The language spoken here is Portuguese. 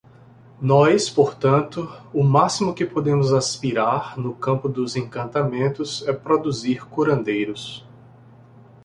Nós, portanto, o máximo que podemos aspirar no campo dos encantamentos é produzir curandeiros.